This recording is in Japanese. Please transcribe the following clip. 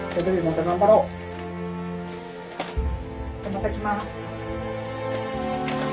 また来ます。